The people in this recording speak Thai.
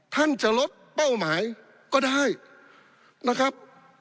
ท่านจะลดเป้าหมายก็ได้นะครับ